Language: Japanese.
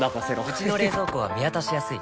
うちの冷蔵庫は見渡しやすい